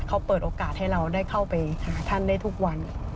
เขาเปิดโอกาสให้เราได้เข้าไปหาท่านได้ทุกวัน